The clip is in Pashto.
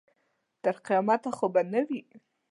تر قیامته خو به نه وي.